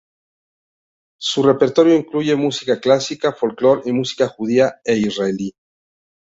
Su repertorio incluye música clásica, folklore y música judía e israelí.